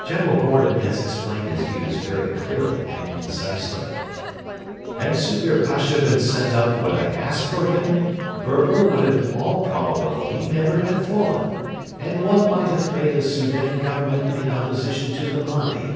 General Gordon has explained his views very clearly and concisely: 'Had Zubehr Pasha been sent up when I asked for him, Berber would in all probability never have fallen, and one might have made a Soudan Government in opposition to the Mahdi.